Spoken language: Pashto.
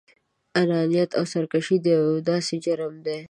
انانيت او سرکشي يو داسې جرم دی.